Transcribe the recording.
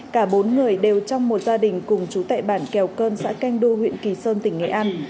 cả bốn người đều trong một gia đình cùng chú tại bản kèo cơn xã canh du huyện kỳ sơn tỉnh nghệ an